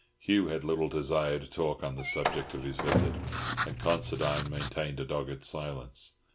Hugh had little desire to talk on the subject of his visit, and Considine maintained a dogged silence.